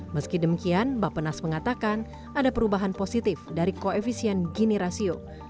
meski demikian bapenas mengatakan ada perubahan positif dari koefisien gini rasio